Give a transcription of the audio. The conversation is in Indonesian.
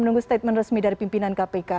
menunggu statement resmi dari pimpinan kpk